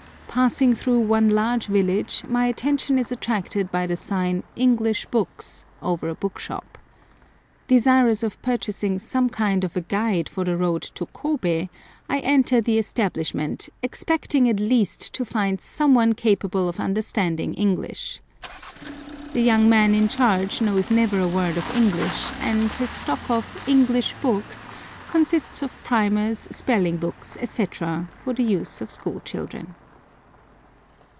Passing through one large village, my attention is attracted by the sign "English Books," over a book shop. Desirous of purchasing some kind of a guide for the road to Kobe, I enter the establishment, expecting at least to find some one capable of understanding English. The young man in charge knows never a word of English, and his stock of "English books" consists of primers, spelling books, etc., for the use of school children.